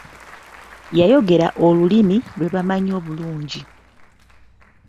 Yayogera olulimi lwe bamanyi obulungi.